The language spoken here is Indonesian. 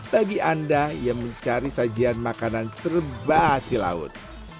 bagi anda yang mencari sajian makanan serba hasil laut